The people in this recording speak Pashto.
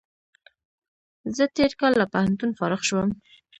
زه تېر کال له پوهنتون فارغ شوم